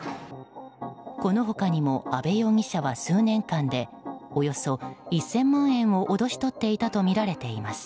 この他にも阿部容疑者は数年間でおよそ１０００万円を脅し取っていたとみられています。